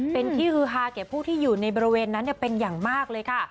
เป็นที่ฮือฮาแก่ผู้ที่อยู่ในบริเวณนั้นเป็นอย่างมากเลยค่ะ